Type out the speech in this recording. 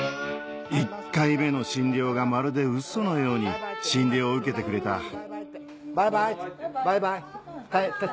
１回目の診療がまるでウソのように診療を受けてくれたバイバイって。